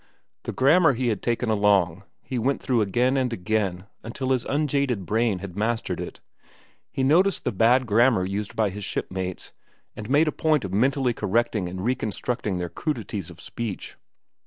The grammar he had taken along he went through again and again until his unjaded brain had mastered it. He noticed the bad grammar used by his shipmates, and made a point of mentally correcting and reconstructing their crudities of speech.